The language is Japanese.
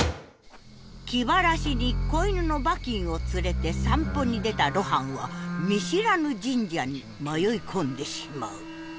気晴らしに子犬のバキンを連れて散歩に出た露伴は見知らぬ神社に迷い込んでしまう。